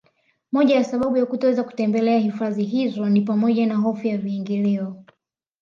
Moja ya sababu ya kutoweza kutembelea hifadhi hizo ni pamoja na hofu ya viingilio